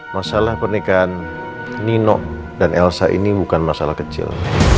masalah pernikahan nino dan elsa ini bukan masalah kecil